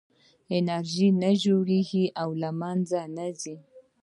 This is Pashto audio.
انرژي نه جوړېږي او نه له منځه ځي.